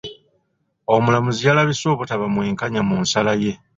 Omulamuzi yalabise obutaba mwenkanya mu nsala ye.